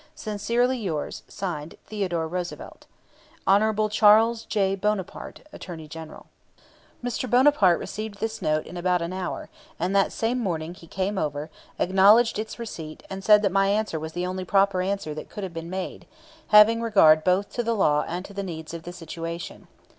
Sincerely yours, (Signed) THEODORE ROOSEVELT. HON. CHARLES J. BONAPARTE, Attorney General. Mr. Bonaparte received this note in about an hour, and that same morning he came over, acknowledged its receipt, and said that my answer was the only proper answer that could have been made, having regard both to the law and to the needs of the situation.